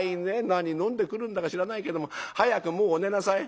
何飲んでくるんだか知らないけど早くもうお寝なさい」。